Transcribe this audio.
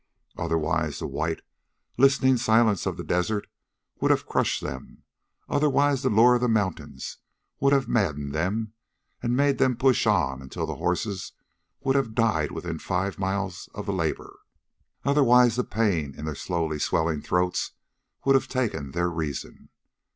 Otherwise the white, listening silence of the desert would have crushed them; otherwise the lure of the mountains would have maddened them and made them push on until the horses would have died within five miles of the labor; otherwise the pain in their slowly swelling throats would have taken their reason.